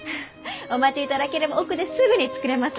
お待ちいただければ奥ですぐに作れます。